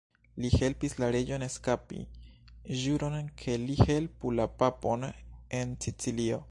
Li helpis la reĝon eskapi ĵuron ke li helpu la papon en Sicilio.